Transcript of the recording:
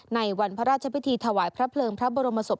ในวันพระราชพิธีถวายพระเพลิงพระบรมศพ